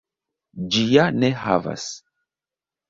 Ĝi ja ne havas!